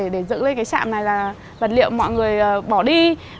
để dựng lên cái trạm này là vật liệu mọi người bỏ đi